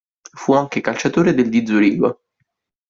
Fu anche calciatore del di Zurigo.